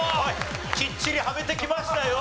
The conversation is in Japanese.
きっちりはめてきましたよ。